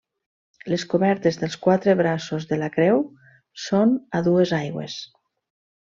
Les cobertes dels quatre braços de la creu són a dues aigües.